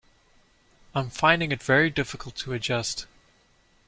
I'm finding it very difficult to adjust